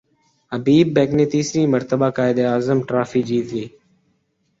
حبیب bank نے تیسری مرتبہ قائد اعظم ٹرافی جیت لی